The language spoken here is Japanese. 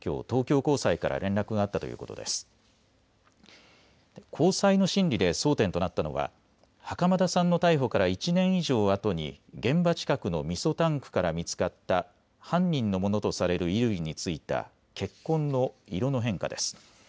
高裁の審理で争点となったのは袴田さんの逮捕から１年以上あとに現場近くのみそタンクから見つかった犯人のものとされる衣類に付いた血痕の色の変化です。